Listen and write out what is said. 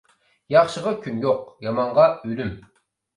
ياخشىغا كۈن يوق، يامانغا ئۆلۈم.